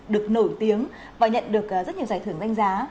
được nổi tiếng và nhận được rất nhiều giải thưởng danh giá